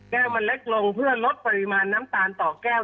แก้วมันเล็กลงเพื่อลดปริมาณน้ำตาลต่อแก้ว